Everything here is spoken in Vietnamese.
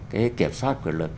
cái kiểm soát quyền lực